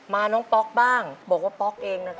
น้องป๊อกบ้างบอกว่าป๊อกเองนะครับ